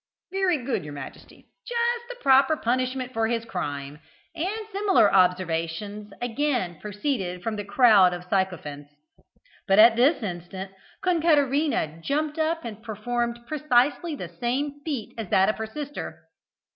"Very good, your Majesty;" "Just the proper punishment for his crime," and similar observations, again proceeded from the crowd of sycophants. But at this instant Concaterina jumped up and performed precisely the same feat as that of her sister.